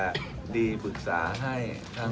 อะไรที่คนทำไม่ค้นทำ